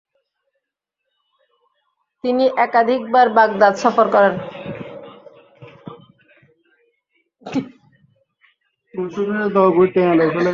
তিনি একাধিকবার বাগদাদ সফর করেন ।